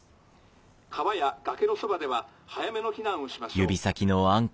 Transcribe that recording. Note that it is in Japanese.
川や崖のそばでは早めの避難をしましょう。